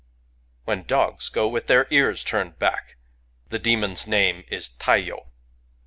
" When dogs go with their ears turned back^ the demon* s name is Taiyo.